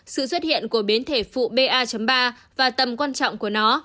sự xuất hiện của biến thể phụ ba ba và tầm quan trọng của nó